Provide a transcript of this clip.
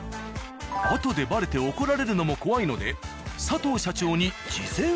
あとでバレて怒られるのも怖いのでねえ